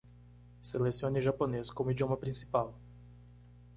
Selecione japonês como idioma principal.